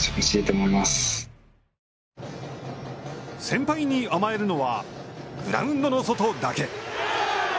先輩に甘えるのは、グラウンドの外だけ。